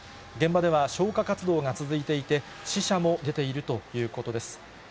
現場では消火活動が続いていて、死者も出ているということです。